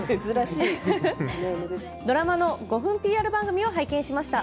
ドラマの５分ＰＲ番組を拝見しました。